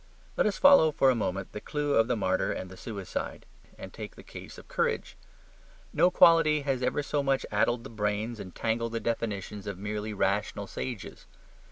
Let us follow for a moment the clue of the martyr and the suicide; and take the case of courage. No quality has ever so much addled the brains and tangled the definitions of merely rational sages.